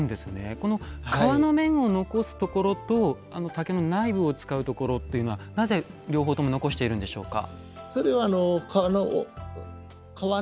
この皮の面を残すところと竹の内部を使うところっていうのはなぜ両方とも残しているんでしょうか？